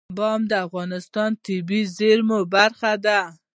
بادام د افغانستان د طبیعي زیرمو برخه ده.